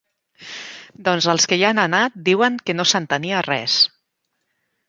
Doncs els que hi han anat diuen que no s'entenia res.